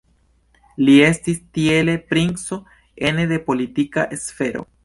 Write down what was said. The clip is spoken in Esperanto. Li estis tiele princo ene de politika sfero.